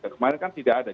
kemarin kan tidak ada